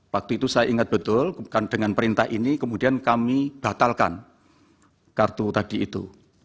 waktu itu saya ingat betul dengan perintah ini kemudian kami batalkan kartu tadi itu